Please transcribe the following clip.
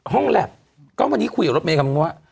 ห้องแล็บก็วันนี้คุยกับรวมเนยการบังงว่า